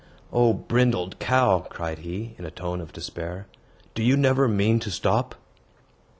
"O brindled cow," cried he, in a tone of despair, "do you never mean to stop?"